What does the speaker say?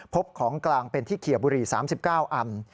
พบของกลางเป็นที่เขียบุรี๓๙อัน